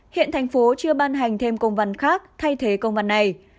hiện thành phố chưa ban hành thêm công văn khác thay thế công văn này